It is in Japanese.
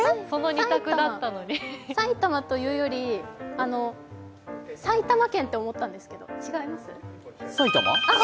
埼玉というより、埼玉県って思ったんですけど、違います？